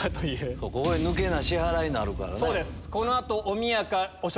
ここで抜けな支払いになるから。